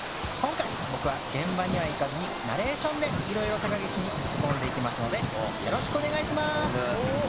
今回僕は現場には行かずにナレーションでいろいろ高岸に突っ込んでいきますのでよろしくお願いします。